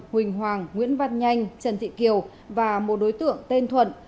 huỳnh hoàng nguyễn văn nhanh trần thị kiều và một đối tượng tên thuận